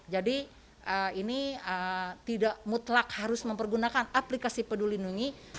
jadi ini tidak mutlak harus mempergunakan aplikasi peduli lindungi